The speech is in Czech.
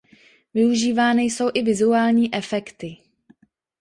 Využívány jsou i vizuální efekty.